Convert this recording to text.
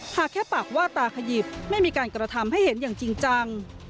หากแค่ปากว่าตาขยิบไม่มีการกระทำให้เห็นอย่างจริงจัง